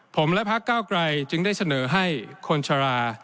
ผมและพักเก้าไกรจึงได้เสนอให้คนชะลา